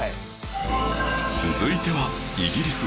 続いてはイギリス